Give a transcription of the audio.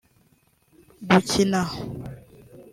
gukina